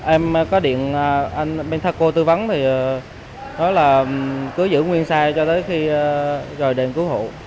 em có điện anh bên thác cô tư vấn thì nói là cứ giữ nguyên xe cho tới khi rồi đem cứu hộ